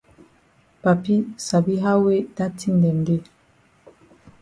Papi sabi how wey dat tin dem dey.